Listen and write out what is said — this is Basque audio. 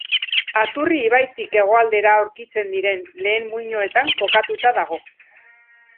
Aturri ibaitik hegoaldera aurkitzen diren lehen muinoetan kokatuta dago.